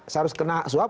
saya harus kena suap